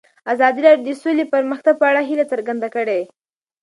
ازادي راډیو د سوله د پرمختګ په اړه هیله څرګنده کړې.